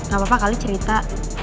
gak apa apa kali cerita